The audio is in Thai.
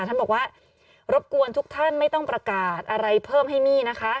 ท่านบอกว่ารบกวนทุกท่านไม่ต้องประกาศอะไรเพิ่มให้มี่นะคะ